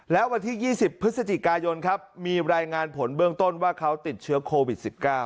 แล้ววันที่๒๐พฤศจิกายนครับมีรายงานผลเบื้องต้นว่าเขาติดเชื้อโควิด๑๙